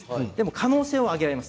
可能性が上げられます。